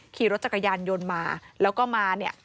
ขี่รถจักรยานยนต์มาแล้วก็มาเนี่ย